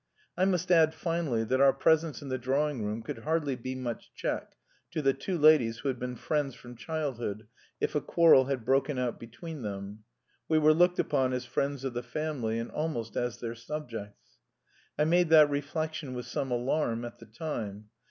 I must add finally, that our presence in the drawing room could hardly be much check to the two ladies who had been friends from childhood, if a quarrel had broken out between them. We were looked upon as friends of the family, and almost as their subjects. I made that reflection with some alarm at the time.